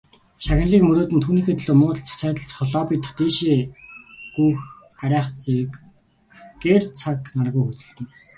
Шагналыг мөрөөднө, түүнийхээ төлөө муудалцах, сайдалцах, лоббидох, дээшээ гүйх харайх зэргээр цаг наргүй хөөцөлдөнө.